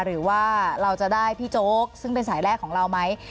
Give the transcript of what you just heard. หรือว่าเราจะได้พี่โจ๊กซึ่งเป็นสายแรกของเราไหม